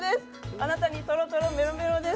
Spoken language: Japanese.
あなたにとろとろ、めろめろです。